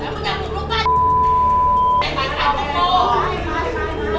ขึ้นไฟก่อน